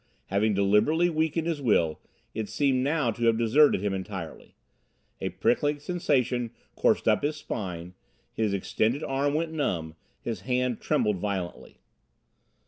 Having deliberately weakened his will, it seemed now to have deserted him entirely. A prickling sensation coursed up his spine, his extended arm went numb, his hand trembled violently.